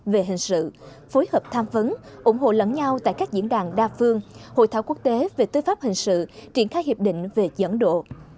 về hình sự phối hợp tham vấn ủng hộ lẫn nhau tại các diễn đàn đa phương hội thảo quốc tế về tư pháp hình sự triển khai hiệp định về dẫn độ